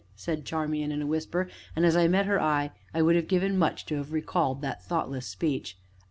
said Charmian in a whisper, and as I met her eye I would have given much to have recalled that thoughtless speech.